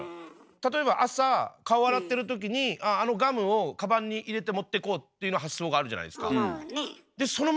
例えば朝顔洗ってる時にあっあのガムをカバンに入れて持ってこうっていうような発想があるじゃないですか。